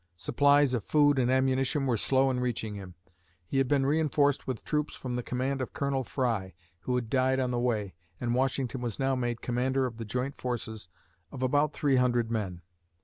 Supplies of food and ammunition were slow in reaching him. He had been reënforced with troops from the command of Colonel Fry, who had died on the way, and Washington was now made commander of the joint forces of about three hundred men.